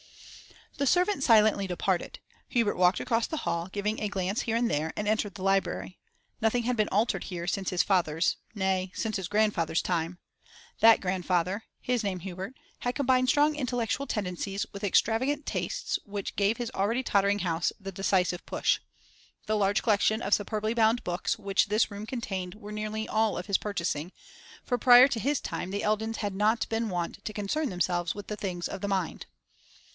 The servant silently departed. Hubert walked across the hall, giving a glance here and there, and entered the library. Nothing had been altered here since his father's, nay, since his grandfather's time. That grandfather his name Hubert had combined strong intellectual tendencies with the extravagant tastes which gave his already tottering house the decisive push. The large collection of superbly bound books which this room contained were nearly all of his purchasing, for prior to his time the Eldons had not been wont to concern themselves with things of the mind.